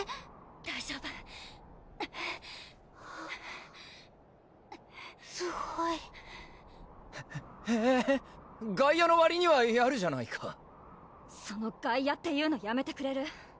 大丈夫すごいへへぇ外野のわりにはやるじゃないかその「外野」っていうのやめてくれる？